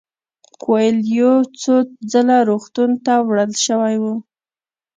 کویلیو څو ځله روغتون ته وړل شوی و.